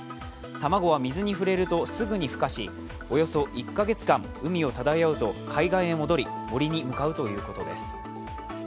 卵は水に触れるとすぐにふ化し、およそ１カ月間、海を漂うと、海岸へ戻り、森に向かうということです。